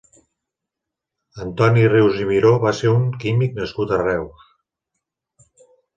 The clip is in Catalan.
Antoni Rius i Miró va ser un químic nascut a Reus.